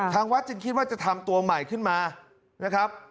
ทางวัดจึงคิดว่าจะทำตัวใหม่ขึ้นมานะครับ